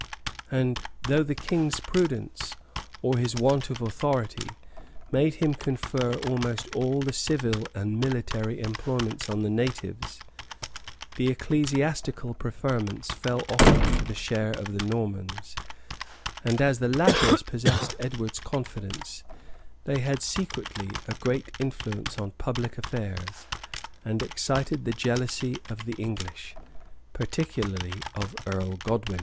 And though the king's prudence, or his want of authority, made him confer almost all the civil and military employments on the natives, the ecclesiastical preferments fell often to the share of the Normans; and as the latter possessed Edward's confidence, they had secretly a great influence on public affairs, and excited the jealousy of the English, particularly of Earl Godwin.